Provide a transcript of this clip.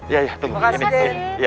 ya ya tunggu